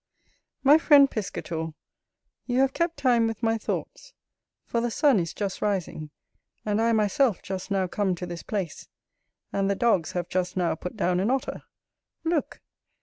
My friend Piscator, you have kept time with my thoughts; for the sun is just rising, and I myself just now come to this place, and the dogs have just now put down an Otter. Look!